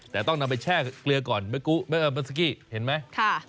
แต่ต้องนำไปแช่เกลือก่อนเมื่อสักกี้เห็นไหม